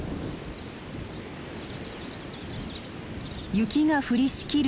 雪が降りしきる